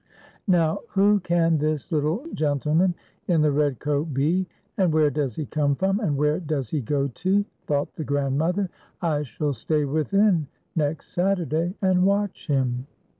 "Now, who can this little gentleman in the red coat be, and where does he come from, and where does he go to ?" thought the grandmother, " I shall stay within next Saturday and watch him."